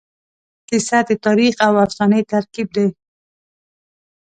کیسه د تاریخ او افسانې ترکیب دی.